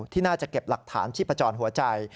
ที่น่าจะเก็บหลักฐานชีพจรหัวใจ